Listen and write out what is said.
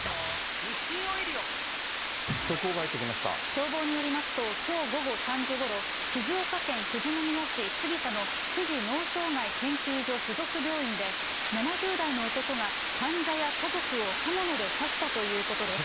消防によりますと、きょう午後３時ごろ、静岡県富士宮市すぎたのふじ脳障害研究所付属病院で７０代の男が、患者や家族を刃物で刺したということです。